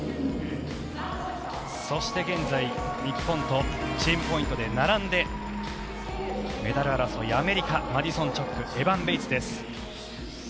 そして、現在日本とチームポイントで並んでメダル争いアメリカマディソン・チョックエバン・ベイツ。